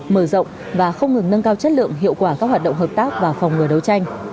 mở rộng và không ngừng nâng cao chất lượng hiệu quả các hoạt động hợp tác và phòng ngừa đấu tranh